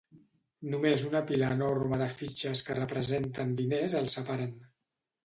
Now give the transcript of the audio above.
Només una pila enorme de fitxes que representen diners els separen.